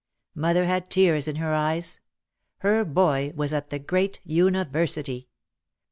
Mother had tears in her eyes. Her boy was at the great university!